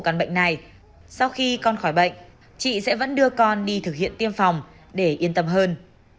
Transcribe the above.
còn bệnh này sau khi con khỏi bệnh chị sẽ vẫn đưa con đi thực hiện tiêm phòng để yên tâm hơn